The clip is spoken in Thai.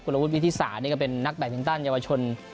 โปรระวุศวิทธิศานี่ก็เป็นนักแบบจังตั้นเยาวชน